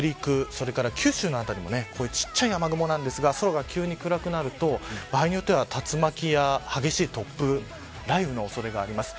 それから九州の辺りも小さい雨雲なんですが空が急に暗くなると場合によっては竜巻や激しい突風雷雨の恐れがあります。